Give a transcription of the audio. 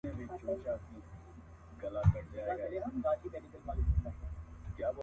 o خپله دا مي خپله ده، د بل دا هم را خپله کې.